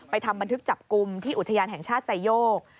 ทำบันทึกจับกลุ่มที่อุทยานแห่งชาติไซโยก